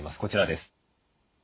こちらです。